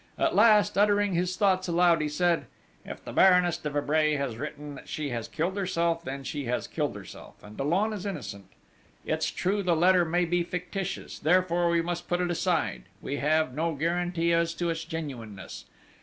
At last, uttering his thoughts aloud, he said: "If the Baroness de Vibray has written that she has killed herself, then she has killed herself, and Dollon is innocent. It's true the letter may be fictitious ... therefore we must put it aside we have no guarantee as to its genuineness....